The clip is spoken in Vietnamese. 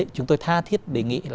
chúng tôi tha thiết đề nghị